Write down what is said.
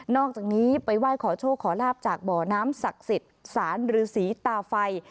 อกจากนี้ไปไหว้ขอโชคขอลาบจากบ่อน้ำศักดิ์สิทธิ์สารฤษีตาไฟ